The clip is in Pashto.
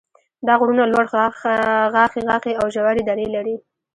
دا غرونه لوړ غاښي غاښي او ژورې درې لري.